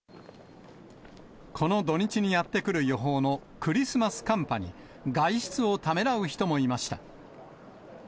この土日にやって来る予報のクリスマス寒波に、外出をためらう人もいました。